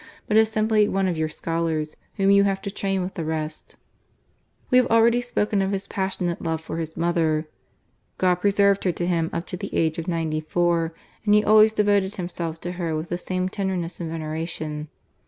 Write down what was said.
but as simply one of your scholars whom jou have to train with the rest." We have already spoken of his passionate love for his mother. God preserved her to him up to the age of ninety four, and he always devoted himself to her with the same tenderness and veneration.